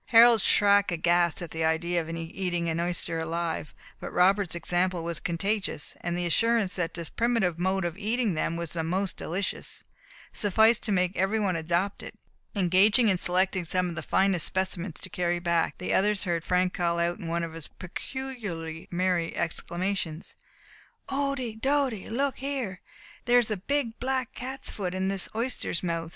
Harold shrunk aghast at the idea of eating an oyster alive; but Robert's example was contagious, and the assurance that this primitive mode of eating them was the most delicious, sufficed to make every one adopt it. Engaged in selecting some of the finest specimens to carry back, the others heard Frank call out, in one of his peculiarly merry exclamations: "Ohdy! dody! Look here! There is a big, black cat's foot in this oyster's mouth.